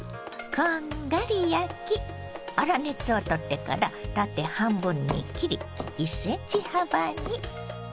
こんがり焼き粗熱を取ってから縦半分に切り１ｃｍ幅に。